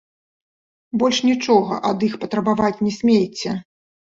Больш нічога ад іх патрабаваць не смейце!